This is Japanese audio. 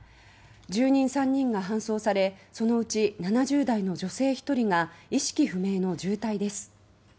住人３人が搬送されそのうち７０代の女性１人が意識不明の重体です。